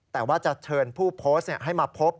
แต่ว่าจะเชิญผู้โพสต์ให้มาพบ